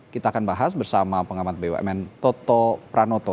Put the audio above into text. kita akan bahas bersama pengamat bumn toto pranoto